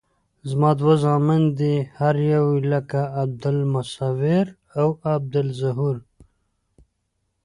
زما دوه زامن دي هر یو لکه عبدالمصویر او عبدالظهور.